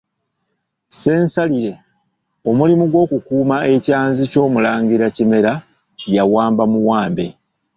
Ssensalire omulimu gw’okukuuma ekyanzi ky’omulangira Kimera yawamba muwambe.